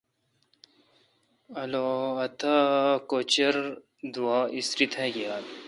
آں آ۔۔تاکچردووا، اِسری تا گیال۔